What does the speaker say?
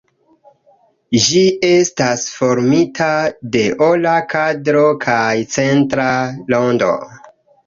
Ĝi estas formita de ora kadro kaj centra rondo.